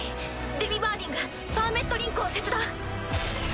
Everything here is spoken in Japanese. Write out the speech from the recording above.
デミバーディングパーメットリンクを切断。